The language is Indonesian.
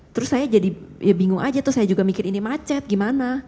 terus saya jadi ya bingung aja tuh saya juga mikir ini macet gimana